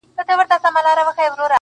بې ګناه د انتقام په اور کي سوځي -